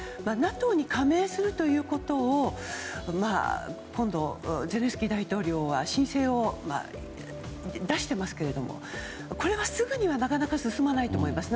ＮＡＴＯに加盟するということを今度、ゼレンスキー大統領は申請を出していますけれどもこれはすぐにはなかなか進まないと思います。